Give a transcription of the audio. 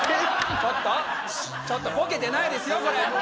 ちょっとボケてないですよ